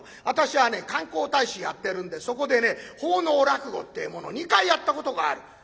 私はね観光大使やってるんでそこでね奉納落語ってえもの２回やったことがある。